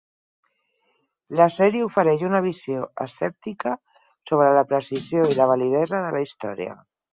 La sèrie ofereix una visió escèptica sobre la precisió i la validesa de la història.